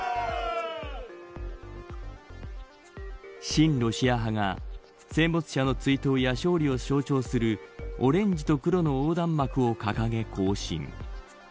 親ロシア派が戦没者の追悼や勝利を象徴するオレンジと黒の横断幕を掲げ行進。